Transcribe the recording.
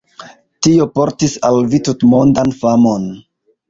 Tio portis al vi tutmondan famon.